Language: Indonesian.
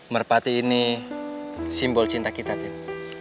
merpati ini simbol cinta kita